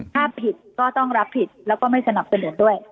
ถ้าผิดก็ต้องรับผิดแล้วก็ไม่สนับสนุนด้วย